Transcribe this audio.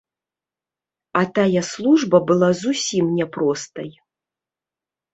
А тая служба была зусім не простай.